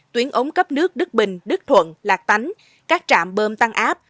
tuyến ống cấp nước đức bình đức thuận lạc tánh các trạm bơm tăng áp